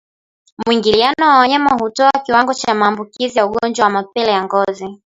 Mwingiliano wa wanyama hutoa kiwango cha maambukizi ya ugonjwa wa mapele ya ngozi